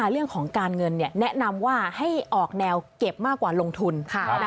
เรื่องของการเงินแนะนำว่าให้ออกแนวเก็บมากกว่าลงทุน